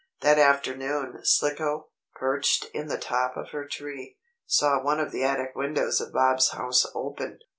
That afternoon Slicko, perched in the top of her tree, saw one of the attic windows of Bob's house open.